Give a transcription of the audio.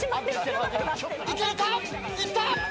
いけるか！？いった！